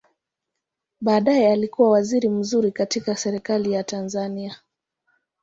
Baadaye alikua waziri mzuri katika Serikali ya Tanzania.